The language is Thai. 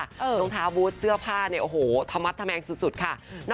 น้องท้าบู๊ดเสื้อผ้าเนี่ยโอ้โหธรรมัสธรรแมงสุดค่ะ